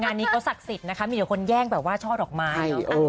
งานนี้เขาศักดิ์สิทธิ์นะคะมีแต่คนแย่งแบบว่าช่อดอกไม้